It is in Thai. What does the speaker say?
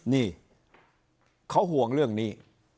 นี่เขาห่วงเรื่องนี้